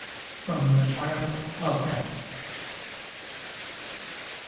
From 'The Triumph of Death.'